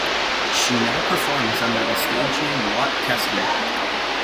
She now performs under the stage name Lotte Kestner.